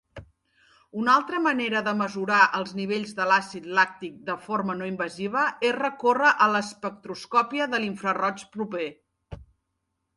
Una altra manera de mesurar els nivells de l'àcid làctic de forma no invasiva és recórrer a l'espectroscòpia de l'infraroig proper.